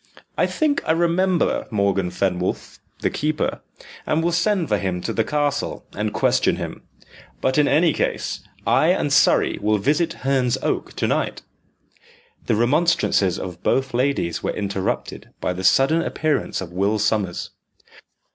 I think I remember Morgan Fenwolf, the keeper, and will send for him to the castle, and question him. But in any case, I and Surrey will visit Herne's Oak to night." The remonstrances of both ladies were interrupted by the sudden appearance of Will Sommers.